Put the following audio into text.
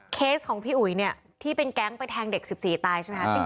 เคสของพี่อุ๋ยเนี่ยที่เป็นแก๊งไปแทงเด็ก๑๔ตายใช่ไหมคะ